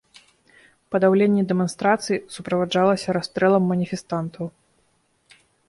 Падаўленне дэманстрацый суправаджалася расстрэлам маніфестантаў.